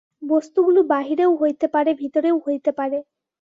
বস্তুগুলি বাহিরেও হইতে পারে, ভিতরেও হইতে পারে।